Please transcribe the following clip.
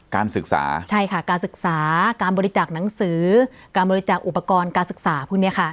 การศึกษาใช่ค่ะการศึกษาการบริจาคหนังสือการบริจาคอุปกรณ์การศึกษาพวกนี้ค่ะ